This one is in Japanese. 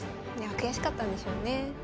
悔しかったんでしょうね。